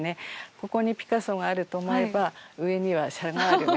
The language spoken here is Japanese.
ここにピカソがあると思えば上にはシャガールがありますし。